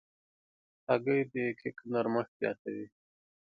هګۍ د کیک نرمښت زیاتوي.